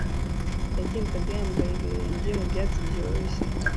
yagendaga yambaye ibirenge mu byatsi byoroshye